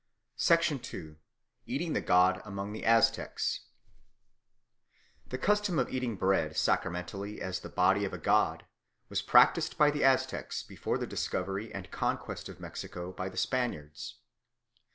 2. Eating the God among the Aztecs THE CUSTOM of eating bread sacramentally as the body of a god was practised by the Aztecs before the discovery and conquest of Mexico by the Spaniards.